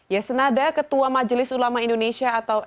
yesenada ketua majelis ulama indonesia atau mui